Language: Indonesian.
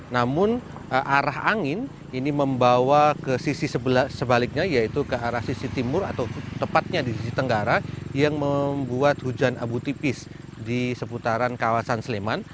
namun arah angin ini membawa ke sisi sebaliknya yaitu ke arah sisi timur atau tepatnya di sisi tenggara yang membuat hujan abu tipis di seputaran kawasan sleman